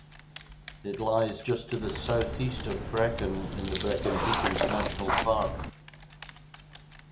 It lies just to the southeast of Brecon in the Brecon Beacons National Park.